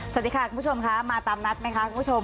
สวัสดีค่ะคุณผู้ชมค่ะมาตามนัดไหมคะคุณผู้ชม